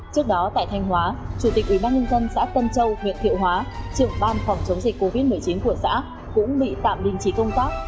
trước đó tại thanh hóa chủ tịch ubnd xã tân châu huyện thiệu hóa trưởng ban phòng chống dịch covid một mươi chín của xã cũng bị tạm đình chỉ công tác